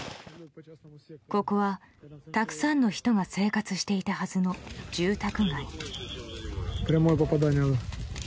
ここは、たくさんの人が生活していたはずの住宅街。